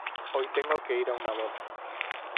Hoy tengo que ir a una boda.